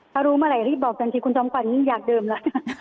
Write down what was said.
ถ้ารู้เมื่อไหร่รีบบกันที่คุณท้องก่อนอย่างเดิมละ